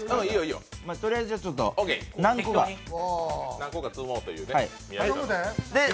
とりあえず何個か積もうと。